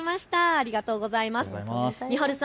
ありがとうございます。